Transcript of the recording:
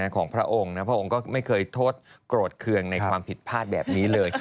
ของพระองค์นะพระองค์ก็ไม่เคยโทษโกรธเคืองในความผิดพลาดแบบนี้เลย